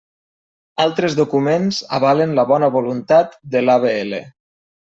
Altres documents avalen la bona voluntat de l'AVL.